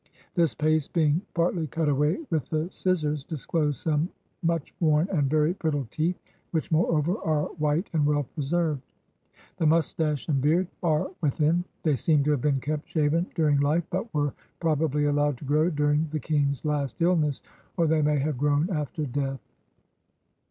This paste being partly cut away with the scissors, disclosed some much worn and very brittle teeth, which moreover, are white and well preserved. The mustache and beard are within. They seem to have been kept shaven during life, but were probably allowed to grow during the king's last illness, or they may have grown after death.